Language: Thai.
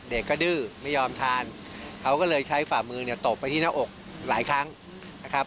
เด็กก็ดื้อไม่ยอมทานเขาก็เลยใช้ฝ่ามือเนี่ยตบไปที่หน้าอกหลายครั้งนะครับ